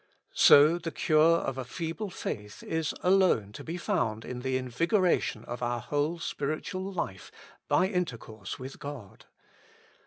So the cure of a feeble faith is alone to be found in the invigoration of our whole spiritual life by inter course with God.